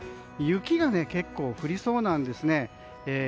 雪が結構、降りそうなんですね。